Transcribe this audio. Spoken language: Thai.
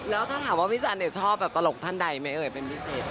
แล้วถ้าถามว่าพี่สันนี่ชอบตลกท่านใดมั้ยเป็นบิเศษ